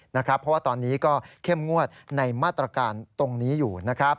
เพราะว่าตอนนี้ก็เข้มงวดในมาตรการตรงนี้อยู่